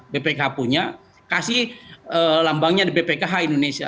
bpk punya kasih lambangnya di bpkh indonesia